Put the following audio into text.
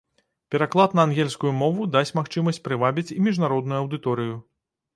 Пераклад на ангельскую мову дасць магчымасць прывабіць і міжнародную аўдыторыю.